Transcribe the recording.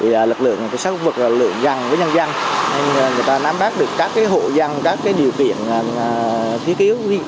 lực lượng xác vực là lượng dân với nhân dân nên người ta nắm bác được các hộ dân các điều kiện thiết kế